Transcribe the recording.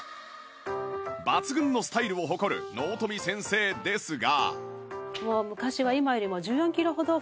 抜群のスタイルを誇る納富先生ですが